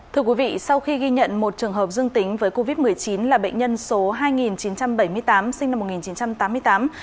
thưa quý vị sau khi ghi nhận một trường hợp dương tính với covid một mươi chín là bệnh nhân số hai chín trăm bảy mươi tám sinh năm một nghìn chín trăm tám mươi tám